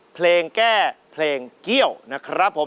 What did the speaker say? เพลงแก้เพลงเกี้ยวนะครับผม